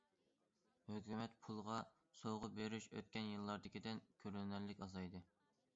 ھۆكۈمەت پۇلىغا سوۋغا بېرىش ئۆتكەن يىللاردىكىدىن كۆرۈنەرلىك ئازايدى.